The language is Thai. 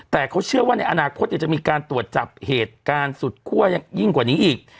แต่เขาเชื่อว่าในอนาคตจะมีการตรวจจับเหตุการณ์สุดคั่วยิ่งกว่านี้อีก